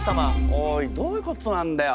おいどういうことなんだよ？